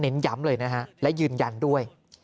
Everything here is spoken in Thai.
ย้ำเลยนะฮะและยืนยันด้วย